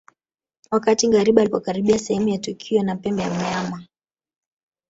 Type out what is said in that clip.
Wakati ngariba alipokaribia sehemu ya tukio na pembe ya mnyama